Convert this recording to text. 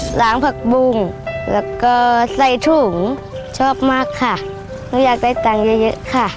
หลางผักบุงแล้วก็ใส่ถุงชอบมากค่ะแล้วอยากได้ตังค์เยอะค่ะ